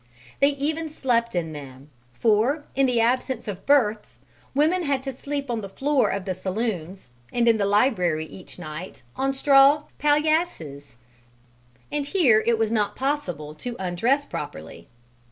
They even slept in them, for, in the absence of berths, women had to sleep on the floor of the saloons and in the library each night on straw paillasses, and here it was not possible to undress properly.